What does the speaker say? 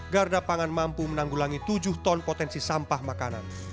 garda pangan mampu menanggulangi tujuh ton potensi sampah makanan